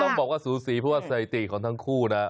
ต้องบอกว่าสูสีเพราะว่าสถิติของทั้งคู่นะ